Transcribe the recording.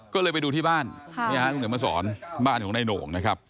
ก็เลยไปดูที่บ้านคุณเดี๋ยวมาสอนบ้านของนายโหน่งนะครับ